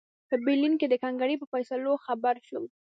په برلین د کنګرې په فیصلو خبر شو.